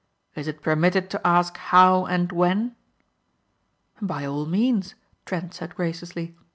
"Is it permitted to ask how and when?" "By all means," Trent said graciously.